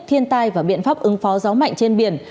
thiên tai và biện pháp ứng phó gió mạnh trên biển